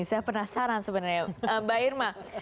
saya penasaran sebenarnya mbak irma